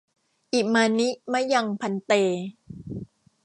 อิมานิ มะยัง ภันเต